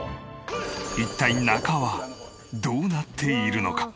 一体中はどうなっているのか？